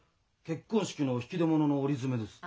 結婚式の引き出物の折詰です。